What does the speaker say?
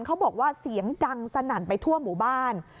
เขาบอกว่าเสียงดังสนั่นไปทั่วหมู่บ้าน